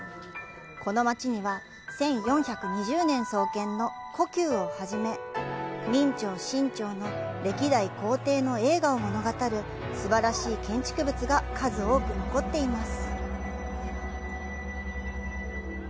この街には１４２０年創建の「故宮」をはじめ、明朝清朝の歴代皇帝の栄華を物語るすばらしい建築物が数多く残っています。